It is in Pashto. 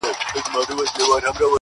راسه چي دي حسن ته جامي د غزل واغوندم,